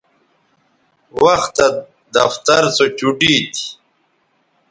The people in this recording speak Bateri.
وختہ دفتر سو چوٹی تھی